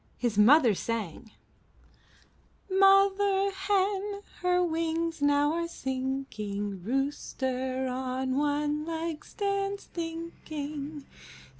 His mother sang: ''Mother hen, her wings now are sinking. Rooster on one leg stands thinking.